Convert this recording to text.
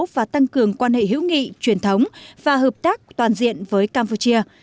và tăng cường quan hệ hữu nghị truyền thống và hợp tác toàn diện với campuchia